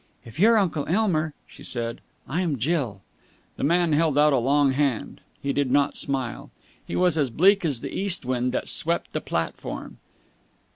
"If you're Uncle Elmer," she said, "I'm Jill." The man held out a long hand. He did not smile. He was as bleak as the east wind that swept the platform.